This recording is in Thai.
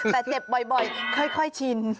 แต่เจ็บบ่อยค่อยชิน